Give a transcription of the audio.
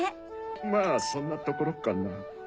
まぁそんなところかな。